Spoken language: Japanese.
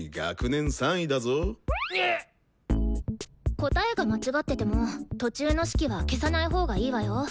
答えが間違ってても途中の式は消さないほうがいいわよ。